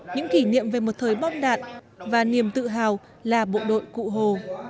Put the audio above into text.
những kỷ niệm về một thời bom đạn và niềm tự hào là bộ đội cụ hồ